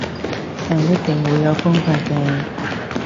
但一定會有方法嘅